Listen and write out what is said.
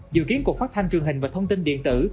dự kiến cục phát thanh truyền hình và thông tin điện tử